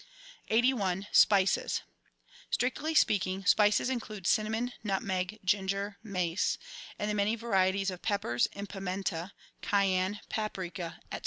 181 SPICES Strictly speaking, spices include cinnamon, nutmeg, ginger, mace ; and the many varieties of peppers and pimenta, cayenne, paprika, &c.